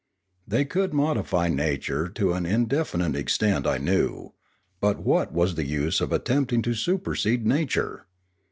They could modify nature to an indefinite extent, I knew; but what was the use of attempting to supersede nature?